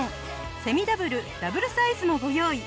セミダブルダブルサイズもご用意。